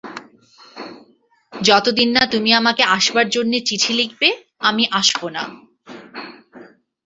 যতদিন না তুমি আমাকে আসবার জন্যে চিঠি লিখবে, আমি আসব না।